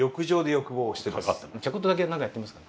ちょこっとだけ何かやってみますか？